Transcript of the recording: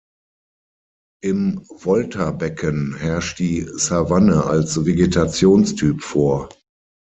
Im Volta-Becken herrscht die Savanne als Vegetationstyp vor.